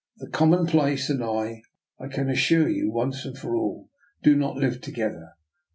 The commonplace and I, I can as sure you once and for all, do not live to gether.